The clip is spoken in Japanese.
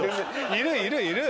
いるいるいる。